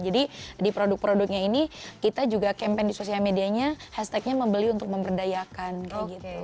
jadi di produk produknya ini kita juga campaign di sosial medianya hashtagnya membeli untuk memberdayakan kayak gitu